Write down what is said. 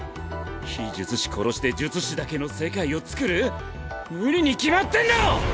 非術師殺して術師だけの世界をつくる⁉無理に決まってんだろ！